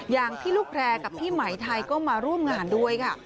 อย่างพี่ลูกแพร่กับพี่ไหมไทยก็มาร่วมงานด้วยค่ะ